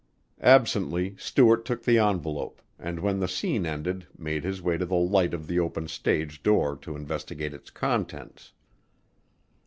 Absently Stuart took the envelope and when the scene ended made his way to the light of the open stage door to investigate its contents.